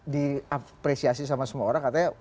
diapresiasi sama semua orang katanya